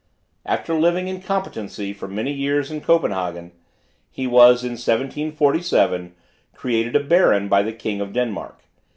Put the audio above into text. After living in competency for many years in Copenhagen, he was, in 1747, created a baron by the king of Denmark.